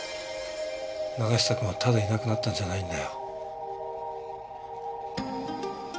永久くんはただいなくなったんじゃないんだよ。